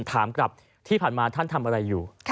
ถามกลับที่ผ่านมาท่านทำอะไรอยู่